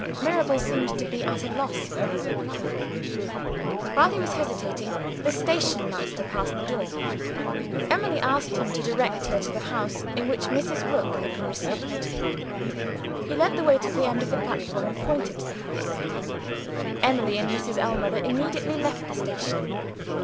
Mirabel seemed to be at a loss for a reply. While he was hesitating, the station master passed the door. Emily asked him to direct her to the house in which Mrs. Rook had been received. He led the way to the end of the platform, and pointed to the house. Emily and Mrs. Ellmother immediately left the station.